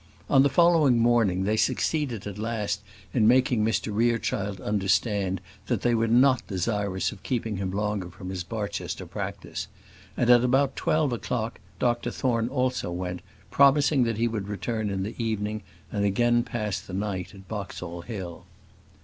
On the following morning they succeeded at last in making Mr Rerechild understand that they were not desirous of keeping him longer from his Barchester practice; and at about twelve o'clock Dr Thorne also went, promising that he would return in the evening, and again pass the night at Boxall Hill.